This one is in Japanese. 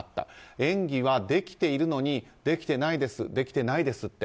演技はできているのにできてないですできてないですって。